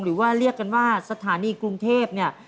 หรือว่าเรียกกันว่าสถานีกรุงเทพเนี่ย